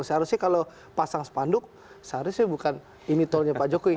seharusnya kalau pasang spanduk seharusnya bukan ini tolnya pak jokowi